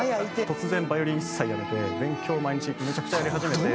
突然バイオリン一切やめて勉強を毎日めちゃくちゃやり始めて。